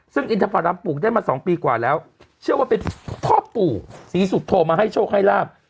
ซึ่งอินทพรรมปลูกได้มา๒ปีกว่าแล้วเชื่อว่าเป็นพ่อปู่ศรีสุโธมาให้โชคให้ลาบ